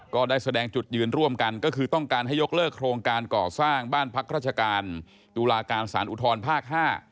ก็ได้แสดงจุดยืนร่วมกันก็คือต้องการให้ยกเลิกโครงการก่อสร้างบ้านพักราชการตุลาการสารอุทธรภาค๕